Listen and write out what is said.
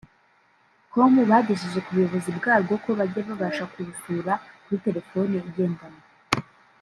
com bagejeje ku buyobozi bwarwo ko bajya babasha kurusura kuri telefone igendanwa